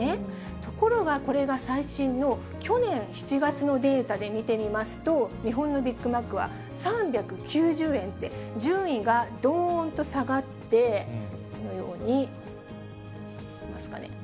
ところが、これが最新の去年７月のデータで見てみますと、日本のビッグマックは３９０円って、順位がどーんと下がって、このように、出ますかね。